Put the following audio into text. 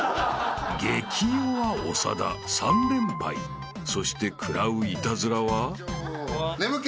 ［激弱長田３連敗そして食らうイタズラは？］